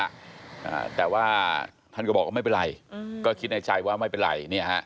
อ่าแต่ว่าท่านก็บอกว่าไม่เป็นไรอืมก็คิดในใจว่าไม่เป็นไรเนี่ยฮะ